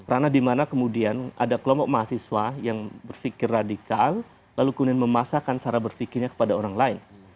rana dimana kemudian ada kelompok mahasiswa yang berfikir radikal lalu kemudian memasakkan cara berfikirnya kepada orang lain